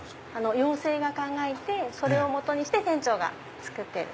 ヨウセイが考えてそれを基にして店長が作ってる。